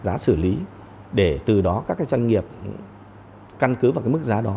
giá xử lý để từ đó các cái doanh nghiệp căn cứ vào cái mức giá đó